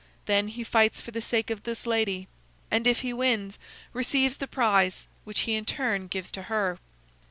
Then he fights for the sake of this lady, and if he wins, receives the prize, which he in turn gives to her."